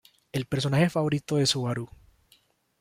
El personaje favorito de Subaru.